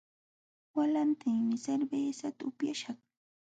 Walantinmi cervezata upyaśhaq